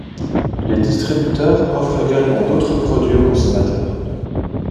Les distributeurs offrent également d'autres produits aux consommateurs.